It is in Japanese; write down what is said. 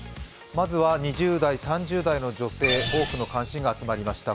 まずは２０代、３０代の女性、多くの関心が集まりました。